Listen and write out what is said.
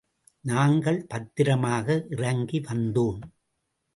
நாங்கள் பத்திரமாக இறங்கி வந்தோம்.